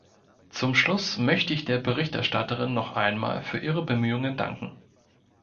Zum Schluss möchte ich der Berichterstatterin noch einmal für ihre Bemühungen danken.